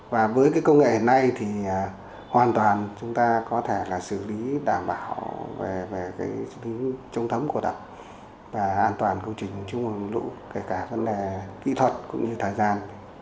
và với cái công nghệ hiện nay thì hoàn toàn chúng ta có thể là xử lý đảm bảo về cái tính trông thấm của đập và an toàn công trình chung lũ kể cả vấn đề kỹ thuật cũng như thời gian